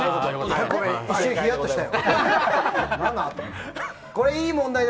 一瞬ヒヤッとしたよ。